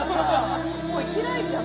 もう行けないじゃん。